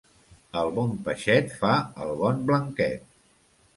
El bon peixet fa el bon blanquet.